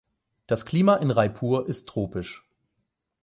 Das Klima in Raipur ist tropisch.